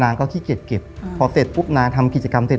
ก็ขี้เกียจเก็บพอเสร็จปุ๊บนางทำกิจกรรมเสร็จ